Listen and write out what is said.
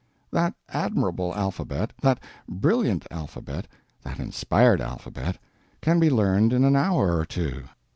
That admirable alphabet, that brilliant alphabet, that inspired alphabet, can be learned in an hour or two.